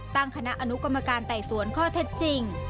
ตั้งคณะอนุกรรมการไต่สวนข้อเท็จจริง